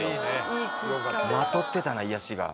まとってたな癒やしが。